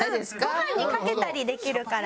ご飯にかけたりできるから。